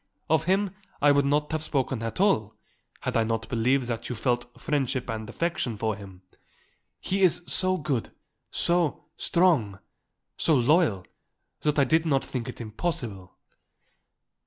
Of him I would not have spoken at all, had I not believed that you felt friendship and affection for him. He is so good, so strong, so loyal that I did not think it impossible."